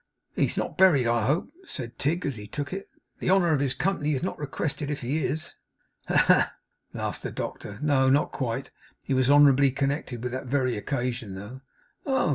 'He is not buried, I hope?' said Tigg, as he took it. 'The honour of his company is not requested if he is.' 'Ha, ha!' laughed the doctor. 'No; not quite. He was honourably connected with that very occasion though.' 'Oh!